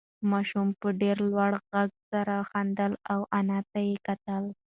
ماشوم په ډېر لوړ غږ سره خندل او انا ته یې کتل.